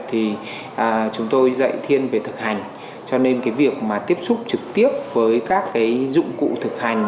thì chúng tôi dạy thiên về thực hành cho nên cái việc mà tiếp xúc trực tiếp với các cái dụng cụ thực hành